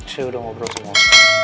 saya udah ngobrol semua